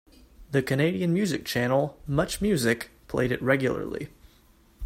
The Canadian music channel MuchMusic played it regularly.